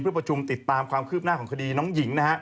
เพื่อประชุมติดตามความคืบหน้าของคดีน้องหญิงนะฮะ